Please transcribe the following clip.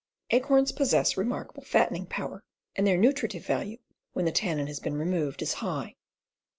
Acorns possess remarkable fattening power, and their nutritive value, when the tannin has been removed, is high.